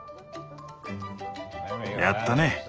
やったね。